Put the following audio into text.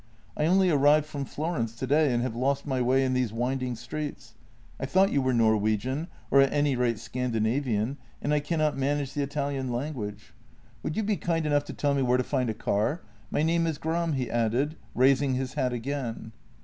" I only arrived from Florence today, and have lost my w T ay in these winding streets. I thought you were Norwegian, or at any rate Scan dinavian, and I cannot manage the Italian language. Would JENNY 17 you be kind enough to tell me where to find a car? My name is Gram," he added, raising his hat again.